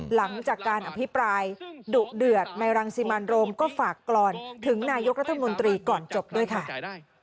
หลังจากการอภิปรายดุเดือดในรังสิมันโรมก็ฝากกรอนถึงนายกรัฐมนตรีก่อนจบด้วยค่ะ